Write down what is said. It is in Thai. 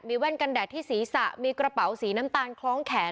แว่นกันแดดที่ศีรษะมีกระเป๋าสีน้ำตาลคล้องแขน